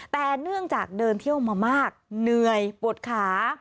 แต่เนื่องจากเดินเที่ยวมามากเหนื่อยปวดขา